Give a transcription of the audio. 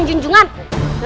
sebelumnya saya akan membuat